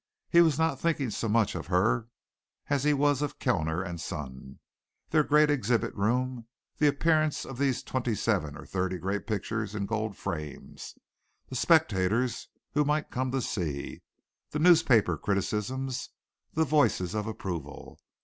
He was not thinking so much of her though as he was of Kellner and Son their great exhibit room, the appearance of these twenty seven or thirty great pictures in gold frames; the spectators who might come to see; the newspaper criticisms; the voices of approval.